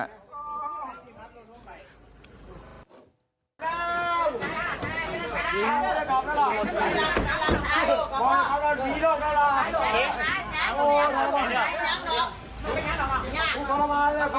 โหว